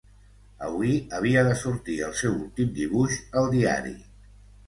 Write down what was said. Avui havia de sortir el seu últim dibuix al diari.